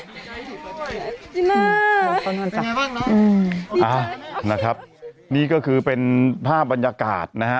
จีน่าเป็นไงบ้างน้องอ่านะครับนี่ก็คือเป็นภาพบรรยากาศนะฮะ